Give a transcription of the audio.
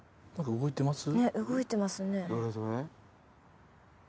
動いてますね。